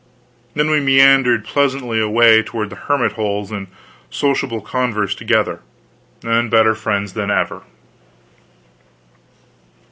Then we meandered pleasantly away toward the hermit holes in sociable converse together, and better friends than ever.